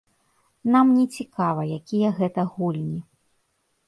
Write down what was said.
Нам не цікава, якія гэта гульні.